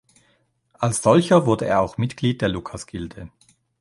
Als solcher wurde er auch Mitglied der Lukasgilde.